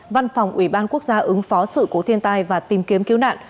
văn phòng ubnd ứng phó sự cố thiên tai và tìm kiếm cứu nạn